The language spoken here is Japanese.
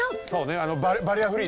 あのバリアフリーな。